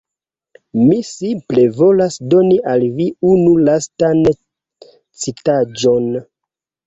Mi simple volas doni al vi unu lastan citaĵon